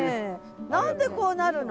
何でこうなるの？